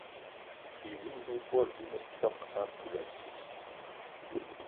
Bivini bi bot bi ne peg a poulassi